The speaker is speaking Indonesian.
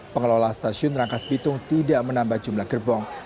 pengelola stasiun rangkas bitung tidak menambah jumlah gerbong